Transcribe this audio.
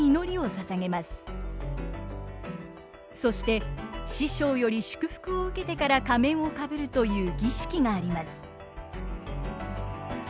そして師匠より祝福を受けてから仮面をかぶるという儀式があります。